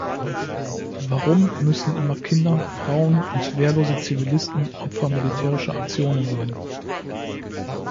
Warum müssen immer Kinder, Frauen und wehrlose Zivilisten Opfer militärischer Aktionen sein?